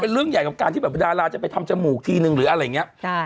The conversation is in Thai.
เรื่องใหญ่กับการที่แบบดาราจะไปทำจมูกทีนึงหรืออะไรอย่างนี้